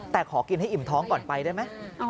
แต่ขอกินให้อิ่มท้องก่อนไปได้ไหม